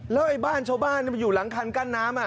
แล้วไอ้บ้านชาวบ้านมันอยู่หลังคันกั้นน้ำ